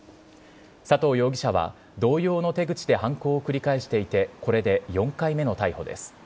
佐藤容疑者は、同様の手口で犯行を繰り返していて、これで４回目の逮捕です。